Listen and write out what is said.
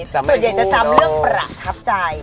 ส่วนใหญ่จะจำเรื่องประทับใจ